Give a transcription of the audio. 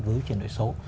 với chuyển đổi số